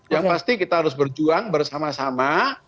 yang pasti kita harus berjuang bersama sama